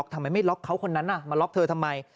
ทำไมไม่ล็อกเขาคนนั้นมาล็อกเธอทำไม